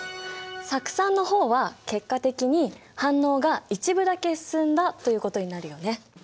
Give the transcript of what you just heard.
酢酸の方は結果的に反応が一部だけ進んだということになるよね。